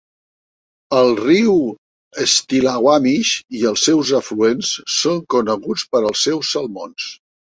El riu Stillaguamish i els seus afluents són coneguts per els seus salmons.